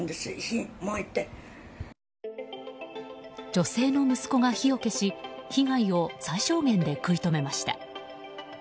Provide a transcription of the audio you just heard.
女性の息子が火を消し被害を最小限で食い止めました。